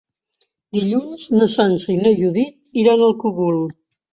Dilluns na Sança i na Judit iran al Cogul.